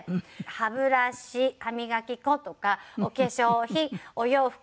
歯ブラシ歯磨き粉とかお化粧品お洋服